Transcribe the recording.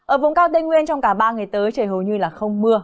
ở vùng cao tây nguyên trong cả ba ngày tới trời hầu như là không mưa